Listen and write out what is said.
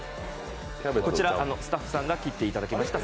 こちら、スタッフさんが切っていただきました